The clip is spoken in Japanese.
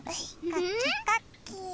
かきかき。